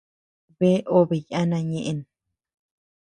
Bea obe yana ñeʼen.